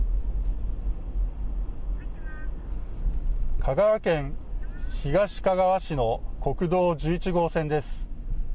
香川県東かがわ市の国道１１号線です。